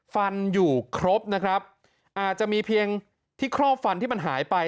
ฟันอยู่ครบนะครับอาจจะมีเพียงที่ครอบฟันที่มันหายไป